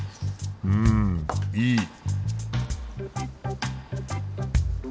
うんいい！